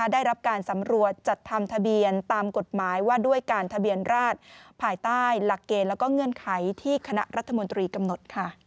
ได้รับการสำรวจจัดทำทะเบียนตามกฎหมายว่าด้วยการทะเบียนราชภายใต้หลักเกณฑ์และเงื่อนไขที่คณะรัฐมนตรีกำหนด